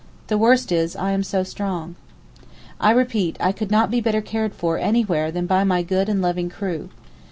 The worst is I am so strong. I repeat I could not be better cared for anywhere than by my good and loving crew.